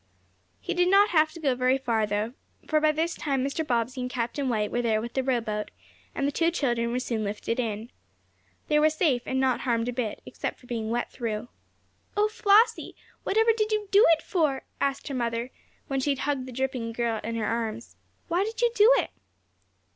He did not have to go very far, though, for by this time Mr. Bobbsey and Captain White were there with the rowboat, and the two children were soon lifted in. They were safe, and not harmed a bit, except for being wet through. "Oh, Flossie, whatever did you do it for?" asked her mother, when she had hugged the dripping little girl in her arms. "Why did you do it?"